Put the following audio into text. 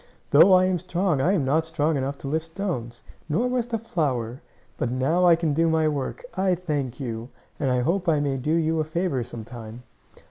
"Though I am strong I am not strong enough to lift stones, nor was the flower. But now I can do my work. I thank you, and I hope I may do you a favor some time."